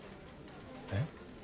えっ？